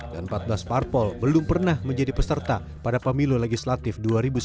dan empat belas parpol belum pernah menjadi peserta pada pemilu legislatif